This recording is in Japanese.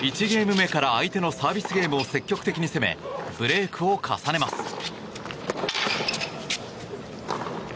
１ゲーム目から相手のサービスゲームを積極的に攻めブレークを重ねます。